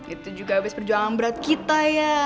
itu juga abis perjuangan berat kita ya